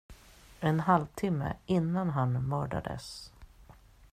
En halvtimme innan han mördades.